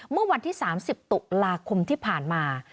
เมื่อวันที่๓๐ตุลาคมที่ผ่านมา